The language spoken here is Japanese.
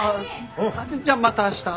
じゃあまた明日。